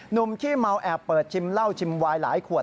หนุ่มขี้เมาแอบเปิดชิมเหล้าชิมไว้หลายขวด